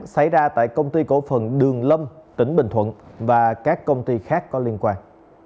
xảy ra tại công ty cổ phần đường lâm tỉnh bình thuận và các công ty khác có liên quan